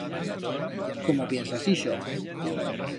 Cómo piensas ixo?